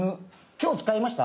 今日使いました？